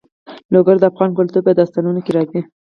لوگر د افغان کلتور په داستانونو کې راځي.